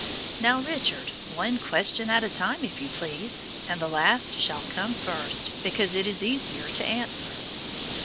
Now, Richard, one question at a time, if you please, and the last shall come first because it is easier to answer.